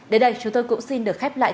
đến đây chúng tôi cũng xin được khép lại